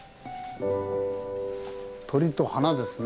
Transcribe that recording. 鳥と花ですね。